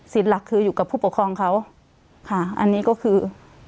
หลักคืออยู่กับผู้ปกครองเขาค่ะอันนี้ก็คือ